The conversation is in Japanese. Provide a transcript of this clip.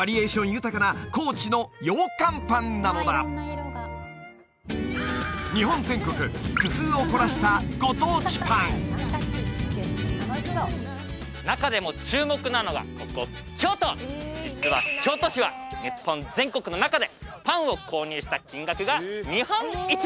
豊かな高知の羊羹パンなのだ日本全国工夫を凝らしたご当地パン中でも注目なのがここ京都実は京都市は日本全国の中でパンを購入した金額が日本一！